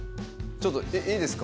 ちょっといいですか？